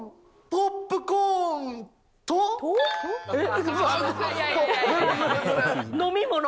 ポップコーン、飲み物。